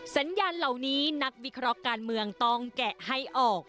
สัญญาณเหล่านี้นักวิเคราะห์การเมืองต้องแกะให้ออก